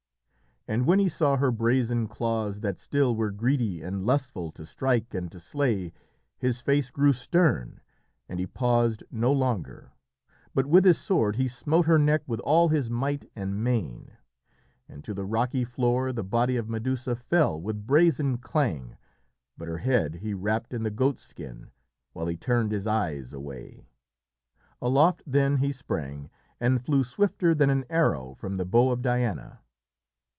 And when he saw her brazen claws that still were greedy and lustful to strike and to slay, his face grew stern, and he paused no longer, but with his sword he smote her neck with all his might and main. And to the rocky floor the body of Medusa fell with brazen clang, but her head he wrapped in the goatskin, while he turned his eyes away. Aloft then he sprang, and flew swifter than an arrow from the bow of Diana.